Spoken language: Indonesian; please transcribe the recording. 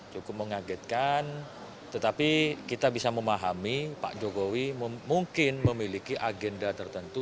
cukup mengagetkan tetapi kita bisa memahami pak jokowi mungkin memiliki agenda tertentu